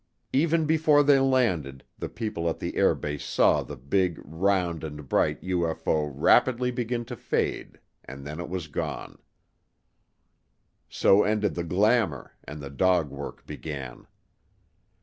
Even before they landed, the people at the airbase saw the big, round and bright UFO rapidly begin to fade and then it was gone. So ended the glamour and the dog work began.